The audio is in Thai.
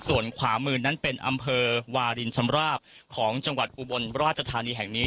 ส่วนขวามือนั้นเป็นอำเภอวารินชำราบของจังหวัดอุบลราชธานีแห่งนี้